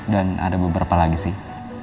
dan ada beberapa lagi sih